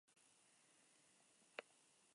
La barba es negra.